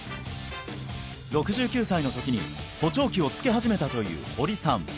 ６９歳の時に補聴器をつけ始めたという堀さん